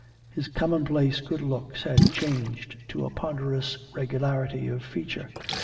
His commonplace good looks had changed to a ponderous regularity of feature.